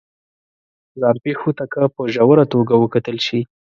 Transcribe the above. ځان پېښو ته که په ژوره توګه وکتل شي